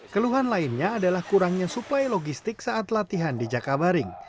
keluhan lainnya adalah kurangnya suplai logistik saat latihan di jakabaring